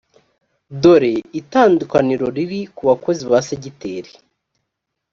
dore itandukaniro riri ku bakozi ba segiteri